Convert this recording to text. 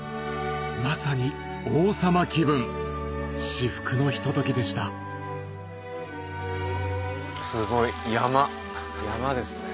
まさに王様気分至福のひとときでしたすごい山山ですね。